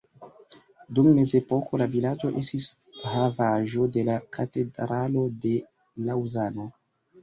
Dum mezepoko la vilaĝo estis havaĵo de la katedralo de Laŭzano.